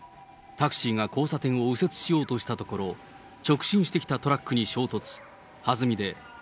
タクシーが交差点を右折しようとしたところ、直進してきたトラックに衝突。